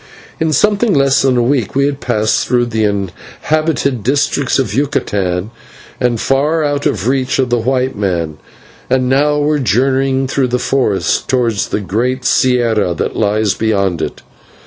In something less than a week we had passed through the inhabited districts of Yucatan and far out of reach of the white man, and now were journeying through the forest towards the great /sierra/ that lies beyond it.